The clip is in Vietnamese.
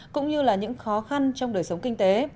cũng như là những khó khăn trong đời sống kinh tế